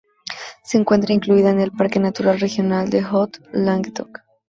Se encuentra incluida en el parque natural regional de Haut-Languedoc.